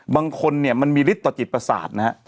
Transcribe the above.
บางคนเนี่ยมันมีฤทธิต่อจิตประสาทนะฮะ